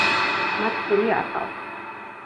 მათ შვილი არ ყავთ.